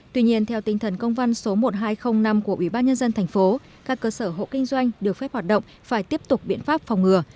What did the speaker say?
tuy nhiên theo tinh thần công văn số một nghìn hai trăm linh năm của ủy ban nhân dân thành phố các cơ sở hộ kinh doanh được phép hoạt động phải tiếp tục biện pháp phòng ngừa